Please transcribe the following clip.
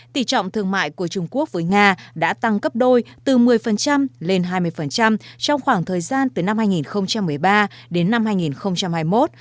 tỷ trọng thương mại của trung quốc với nga đã tăng gấp đôi từ một mươi lên hai mươi trong khoảng thời gian từ năm hai nghìn một mươi ba đến năm hai nghìn hai mươi một